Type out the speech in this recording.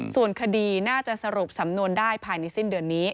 ส่วนคดีน่าจะสรุปสำนวนได้ภายในสิ้นเดือนนี้